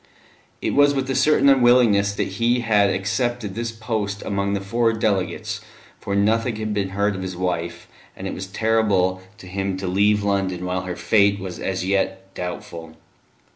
It was with a certain unwillingness that he had accepted this post among the four delegates, for nothing had been heard of his wife, and it was terrible to him to leave London while her fate was as yet doubtful.